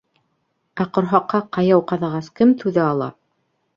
Ә ҡорһаҡҡа ҡаяу ҡаҙағас, кем түҙә ала?